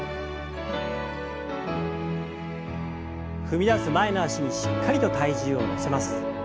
踏み出す前の脚にしっかりと体重を乗せます。